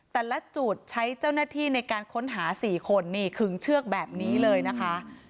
แต่ละจุดใช้เจ้าหน้าที่ในการค้นหา๔คนนี่ขึงเชือกแบบนี้เลยนะคะ